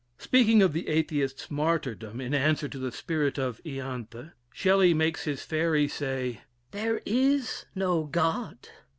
Speaking of the Atheist's martyrdom in answer to the spirit of "Ianthe," Shelley makes his fairy say: "There is no God!